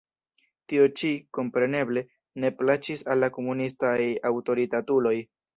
Tio-ĉi, kompreneble, ne plaĉis al la komunistaj aŭtoritatuloj.